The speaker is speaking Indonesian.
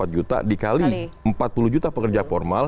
empat juta dikali empat puluh juta pekerja formal